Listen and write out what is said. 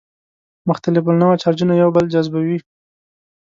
مختلف النوع چارجونه یو بل جذبوي.